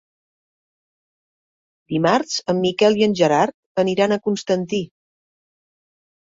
Dimarts en Miquel i en Gerard aniran a Constantí.